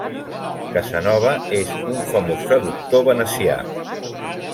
Casanova és un famós seductor venecià.